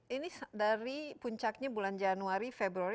ini dari puncaknya bulan januari februari